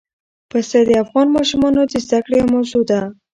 پسه د افغان ماشومانو د زده کړې یوه موضوع ده.